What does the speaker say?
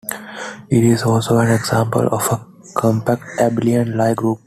It is also an example of a compact abelian Lie group.